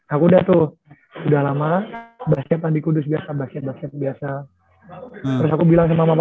aku udah tuh udah lama basitan di kudus biasa basit basket biasa terus aku bilang sama mama